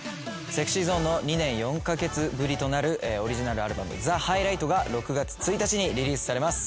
ＳｅｘｙＺｏｎｅの２年４カ月ぶりとなるオリジナルアルバム『ザ・ハイライト』が６月１日にリリースされます。